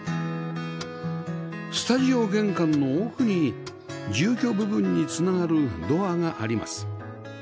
スタジオ玄関の奥に住居部分に繋がるドアがあります